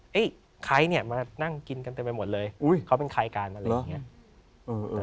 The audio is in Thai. ใครเนี่ยมานั่งกินกันเต็มไปหมดเลยเขาเป็นใครกันอะไรอย่างนี้